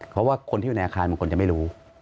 เพราะว่าคนที่อยู่ในอาคารบางคนจะไม่รู้